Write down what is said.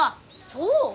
そう？